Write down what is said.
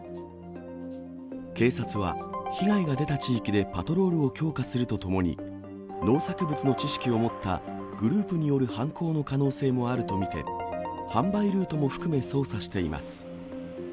警察は、被害が出た地域でパトロールを強化するとともに、農作物の知識を持ったグループによる犯行の可能性もあると見て、販売ルートも含め、捜査しています。